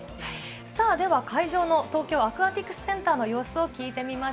会場の東京アクアティクスセンターの様子を聞いてみます。